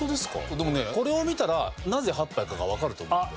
でもねこれを見たらなぜ８杯かがわかると思うので。